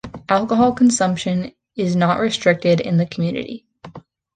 Alcohol consumption is not restricted in the community.